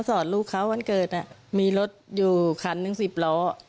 อดลูกเขาวันเกิดมีรถอยู่คันหนึ่งสิบล้อ